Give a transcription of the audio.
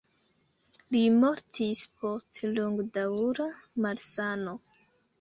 Li mortis post longdaŭra malsano.